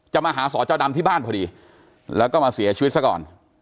มาหาสอจอดำที่บ้านพอดีแล้วก็มาเสียชีวิตซะก่อน